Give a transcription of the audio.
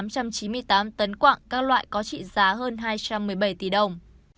các loại có trị giá hơn hai trăm một mươi bảy tỷ đồng